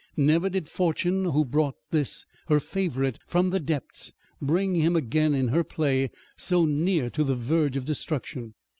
Never did Fortune, who brought this, her favorite, from the depths, bring him again in her play so near to the verge of destruction.